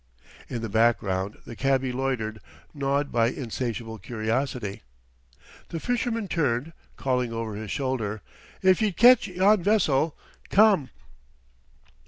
In the background the cabby loitered, gnawed by insatiable curiosity. The fisherman turned, calling over his shoulder: "If ye'd catch yon vessel, come!"